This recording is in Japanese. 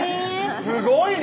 すごいね！